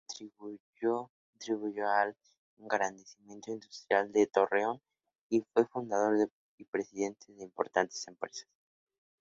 Contribuyó al engrandecimiento industrial de Torreón, y fue fundador y presidente de importantes empresas.